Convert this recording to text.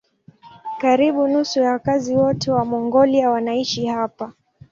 Karibu nusu ya wakazi wote wa Mongolia wanaishi hapa.